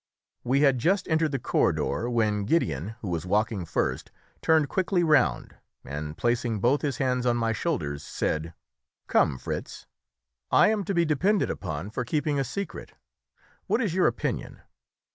We had just entered the corridor when Gideon, who was walking first, turned quickly round, and, placing both his hands on my shoulders, said "Come, Fritz; I am to be depended upon for keeping a secret; what is your opinion?"